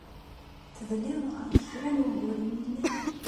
Tedliḍ ɣef kra n wuguren yellan?